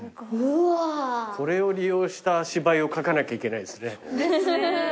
これを利用した芝居を書かなきゃいけないっすね。ですね。